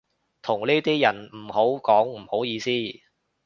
同呢啲人唔好講唔好意思